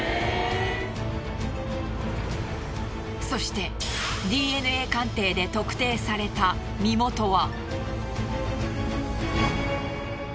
そしてＤＮＡ鑑定で特定された身元は。